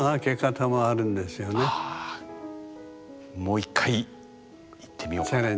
もう１回行ってみようかな。